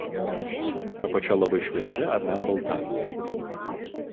Apačia labai šviesi ar net balta.